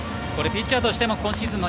ピッチャーとしても今シーズン